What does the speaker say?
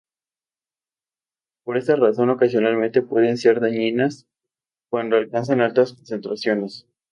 Por esta razón, ocasionalmente pueden ser dañinas cuando alcanzan altas concentraciones.